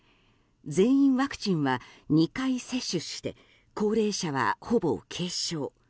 全員、ワクチンは２回接種して高齢者はほぼ軽症。